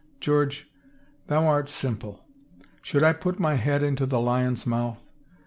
" George, thou art sim ple. Should I put my head into the lion's mouth